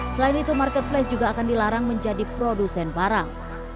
selain itu marketplace juga akan dilarang menjadi produsen barang